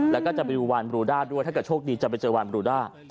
แล้วก็จะไปดูวานบรูด้าด้วยถ้าเกิดโชคดีจะไปเจอวานบรูด้า